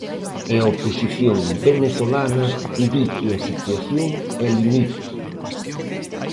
E a oposición venezolana di que a situación é límite.